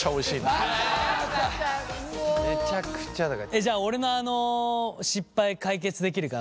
じゃ俺のあの失敗解決できるかな。